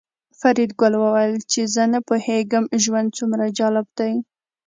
فریدګل وویل چې زه نه پوهېږم ژوند څومره جالب دی